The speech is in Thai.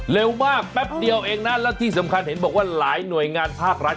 เร็วมากแป๊บเดียวเองนะแล้วที่สำคัญเห็นบอกว่าหลายหน่วยงานภาครัฐ